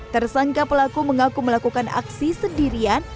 tersangka pelaku mengaku melakukan aksi sendirian